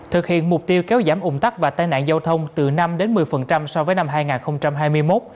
thực hiện mục tiêu kéo giảm ủng tắc và tai nạn giao thông từ năm một mươi so với năm hai nghìn hai mươi một